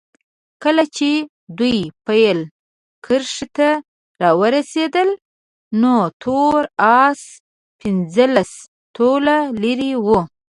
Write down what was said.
کله چې دوی پیل کرښې ته راورسېدل نو تور اس پنځلس طوله لرې وو.